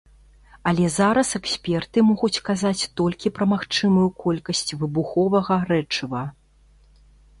Але зараз эксперты могуць казаць толькі пра магчымую колькасць выбуховага рэчыва.